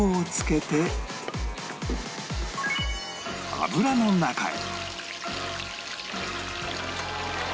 油の中へ